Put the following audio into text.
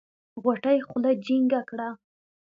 غوټۍ خوله جينګه کړه.